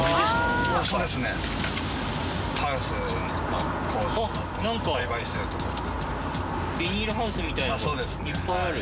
あっなんかビニールハウスみたいなのいっぱいある。